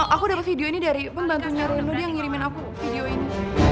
aku dapat video ini dari pembantunya reno dia ngirimin aku video ini